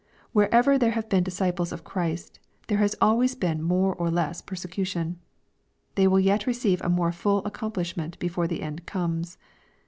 Wherever there have been disciples of Christ, there has always been more or less persecution. — They will yet receive a more full ac complishment before the end comes.